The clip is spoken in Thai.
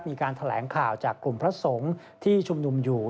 มีการแถลงข่าวจากกลุ่มพระสงฆ์ที่ชุมนุมอยู่